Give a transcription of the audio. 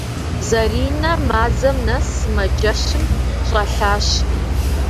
Зэринэ мазэм нэс сымаджэщым щӏэлъащ.